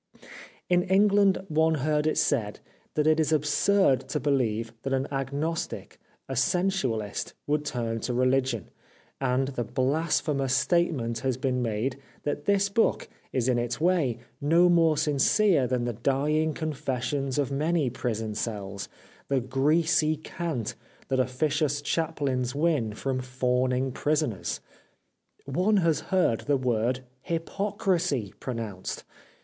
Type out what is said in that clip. In England one heard it said that it is absurd to believe that an agnostic, a sensualist would turn to religion, and the blasphemous statement has been made that this book is in its way no more sincere than the dying confessions of many prison cells, the greasy cant that officious chaplains win from fawning prisoners ! One has heard the word HYPO CRISY pronounced